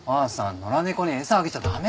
野良猫に餌あげちゃ駄目だよ。